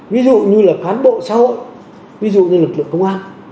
ví dụ như là cán bộ xã hội ví dụ như lực lượng công an